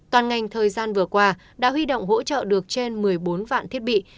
toàn ngành thời gian vừa qua đã huy động hỗ trợ được trên một mươi bốn vạn thiết bị